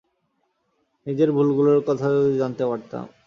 নিজের ভুলগুলোর কথা যদি জানতে পারতাম।